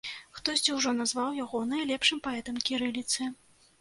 Хтосьці ўжо назваў яго найлепшым паэтам кірыліцы.